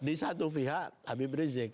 di satu pihak habib rizik